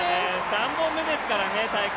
３本目ですからね。